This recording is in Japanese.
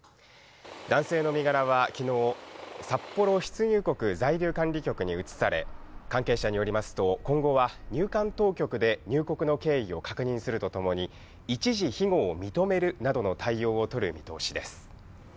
男性の身柄は昨日、札幌出入国在留管理局に移され、関係者によりますと今後は入管当局で入国の経緯を確認するとともに一時、庇護を認めるなどの対応を取る見通しです。